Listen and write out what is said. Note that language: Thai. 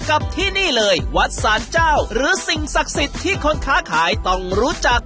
กับที่นี่เลยวัดสารเจ้าหรือสิ่งศักดิ์สิทธิ์ที่คนค้าขายต้องรู้จัก